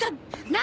何？